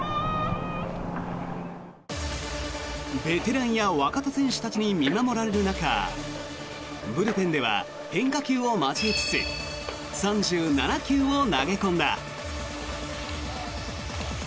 ベテランや若手選手たちに見守られる中ブルペンでは変化球を交えつつ３７球を投げ込んだ。